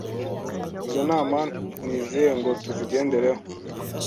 Izo nama ni izihe ngo tuzigendereho